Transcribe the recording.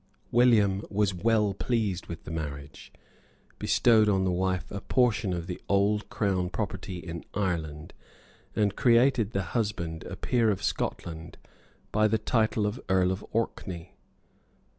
William was well pleased with the marriage, bestowed on the wife a portion of the old Crown property in Ireland, and created the husband a peer of Scotland by the title of Earl of Orkney.